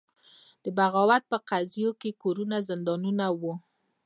د بغاوت په قضیو کې کورونه زندانونه وو.